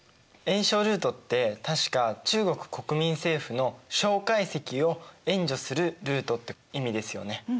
援ルートって確か中国・国民政府の介石を援助するルートって意味ですよね。